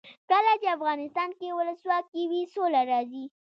کله چې افغانستان کې ولسواکي وي سوله راځي.